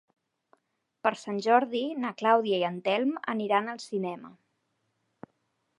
Per Sant Jordi na Clàudia i en Telm aniran al cinema.